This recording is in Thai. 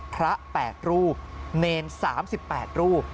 พระ๘รูเนม๓๘รู